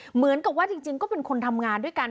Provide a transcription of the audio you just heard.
เหมือนกับว่าจริงก็เป็นคนทำงานด้วยกัน